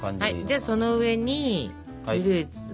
じゃあその上にフルーツを。